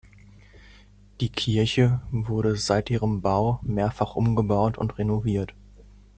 Die Kirche wurde seit ihrem Bau mehrfach umgebaut und renoviert.